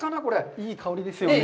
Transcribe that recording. いい香りですよね。